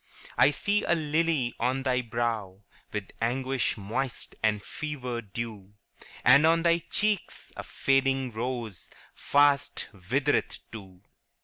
' I see a lily on thy brow, With anguish moist and fever dew; And on thy cheeks a fading rose Fast withereth too.'